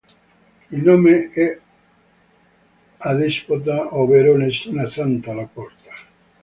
Il nome è adespota, ovvero nessuna santa lo porta.